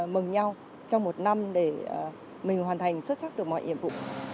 mừng nhau trong một năm để mình hoàn thành xuất sắc được mọi nhiệm vụ